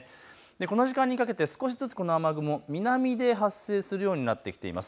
この時間にかけて少しずつこの雨雲、南で発生するようになってきています。